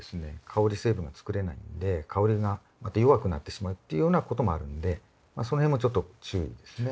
香り成分が作れないんで香りがまた弱くなってしまうっていうようなこともあるんでそのへんもちょっと注意ですね。